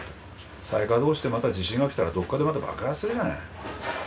再稼働してまた地震が来たらどっかでまた爆発するじゃない。